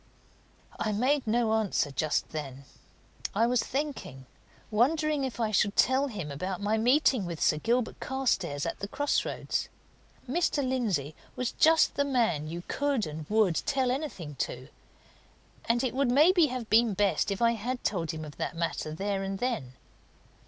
I made no answer just then. I was thinking, wondering if I should tell him about my meeting with Sir Gilbert Carstairs at the cross roads. Mr. Lindsey was just the man you could and would tell anything to, and it would maybe have been best if I had told him of that matter there and then.